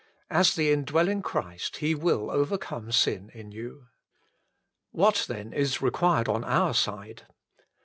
1 As the indwelling Christ, He will overcome sin in you. What then is required on our side